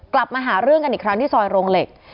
กลับมาหาเรื่องกันอีกครั้งที่ซอยโรงเหล็ก